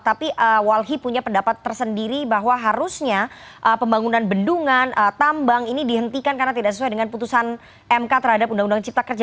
tapi walhi punya pendapat tersendiri bahwa harusnya pembangunan bendungan tambang ini dihentikan karena tidak sesuai dengan putusan mk terhadap undang undang cipta kerja